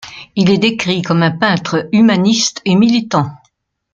Il est décrit comme un peintre humaniste et militant.